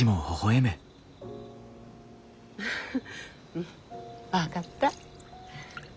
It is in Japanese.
うん分かった。